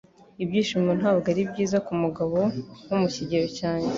Ibyishimo ntabwo ari byiza kumugabo wo mu kigero cyanjye.